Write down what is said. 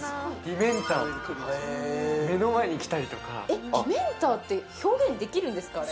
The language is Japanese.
ディメンターとか目の前に来たりとかディメンターって表現できるんですか？